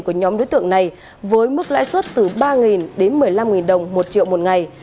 của nhóm đối tượng này với mức lãi suất từ ba đến một mươi năm đồng một triệu một ngày